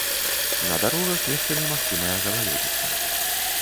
На дарогах месцамі магчымая галалёдзіца.